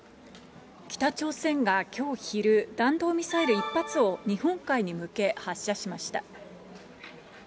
北朝鮮がきょう昼、弾道ミサイル１発を日本海に向け、発射しました。